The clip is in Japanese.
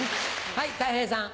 はいたい平さん。